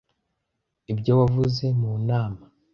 Ibyo wavuze mu nama